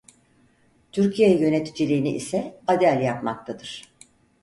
Türkiye yöneticiliğini ise Adel yapmaktadır.